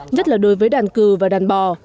nhất là đối với đàn cừu và đàn bò